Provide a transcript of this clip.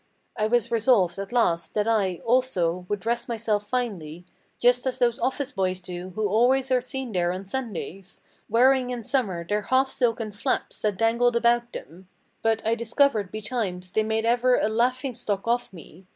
I was resolved, at last, that I, also, would dress myself finely, Just as those office boys do who always are seen there on Sundays, Wearing in summer their half silken flaps, that dangled about them; But I discovered, betimes, they made ever a laughing stock of me.